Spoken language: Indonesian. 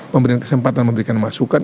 pemberian kesempatan memberikan masukan